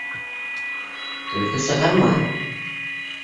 Түлке сығарма...